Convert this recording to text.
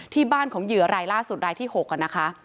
ที่บ้านของเหยื่อรายล่าสุดรายที่๖นะคะ